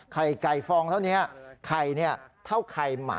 ไข่ไก่ฟองเท่านี้ไข่เนี่ยเท่าไข่หมา